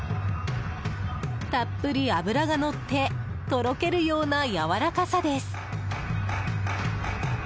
たっぷり脂がのってとろけるようなやわらかさです。